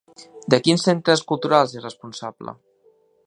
De quins centres culturals és responsable?